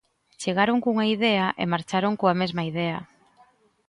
Chegaron cunha idea e marcharon coa mesma idea.